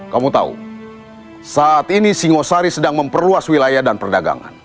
kamu tahu saat ini singosari sedang memperluas wilayah dan perdagangan